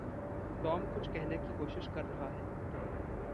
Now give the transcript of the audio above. Tom कुछ कहने की कोशिश कर रहा है।